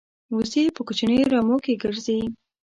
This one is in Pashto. وزې په کوچنیو رمو کې ګرځي